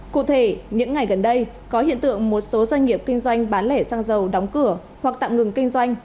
cụ thể những ngày gần đây có hiện tượng một số doanh nghiệp kinh doanh bán lẻ xăng dầu đóng cửa hoặc tạm ngừng kinh doanh